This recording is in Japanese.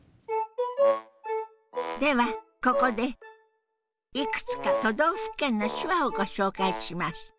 ではここでいくつか都道府県の手話をご紹介します。